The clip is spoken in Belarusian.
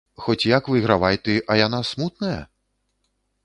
Хоць як выйгравай ты, а яна смутная?